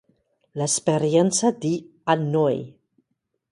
L'esperienza di "A Noi!